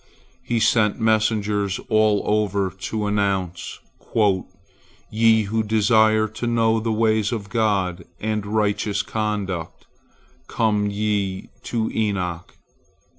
He sent messengers all over to announce, "Ye who desire to know the ways of God and righteous conduct, come ye to Enoch!"